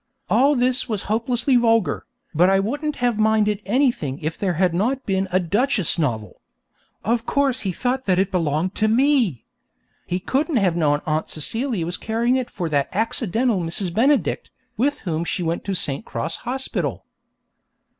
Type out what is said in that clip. All this was hopelessly vulgar, but I wouldn't have minded anything if there had not been a Duchess novel. Of course he thought that it belonged to me. He couldn't have known Aunt Celia was carrying it for that accidental Mrs. Benedict, with whom she went to St. Cross Hospital.